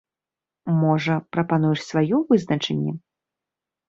Можа, прапануеш сваё вызначэнне?